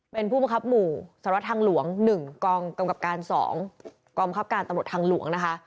เป็นผู้บังคับหมู่สารวทางหลวง๑กองกำกับการ๒กองบังคับการตำรวจทางหลวงนะคะ